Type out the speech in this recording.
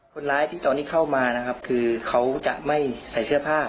คนร้ายที่ตอนนี้เข้ามานะครับคือเขาจะไม่ใส่เสื้อผ้า